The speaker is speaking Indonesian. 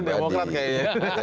ini yang senang demokrat kayaknya